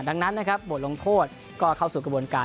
ดังนั้นนะครับบทลงโทษก็เข้าสู่กระบวนการ